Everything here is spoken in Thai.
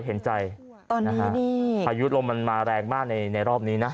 ตอนนี้นี่อายุลมันมาแรงมากในรอบนี้นะ